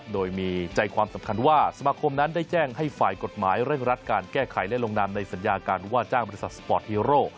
โดยมีใจความสำคัญว่าสมาคมนั้นได้แจ้งให้ฝ่ายกฎหมายเร่งรัดการแก้ไขและลงนามในสัญญาการว่าจ้างบริษัทสปอร์ตฮีโร่